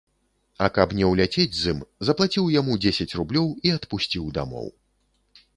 А каб не ўляцець з ім, заплаціў яму дзесяць рублёў і адпусціў дамоў.